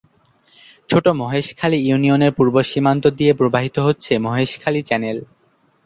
ছোট মহেশখালী ইউনিয়নের পূর্ব সীমান্ত দিয়ে প্রবাহিত হচ্ছে মহেশখালী চ্যানেল।